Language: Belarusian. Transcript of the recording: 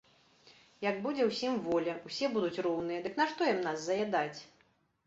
Як будзе ўсім воля, усе будуць роўныя, дык нашто ім нас заядаць?